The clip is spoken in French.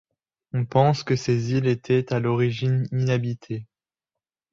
On pense que ces îles étaient à l'origine inhabitées.